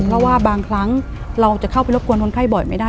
เพราะว่าบางครั้งเราจะเข้าไปรบกวนคนไข้บ่อยไม่ได้